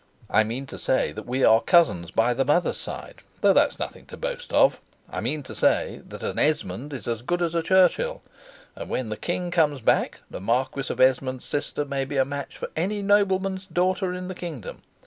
"I mean to say that we are cousins by the mother's side, though that's nothing to boast of. I mean to say that an Esmond is as good as a Churchill; and when the King comes back, the Marquis of Esmond's sister may be a match for any nobleman's daughter in the kingdom.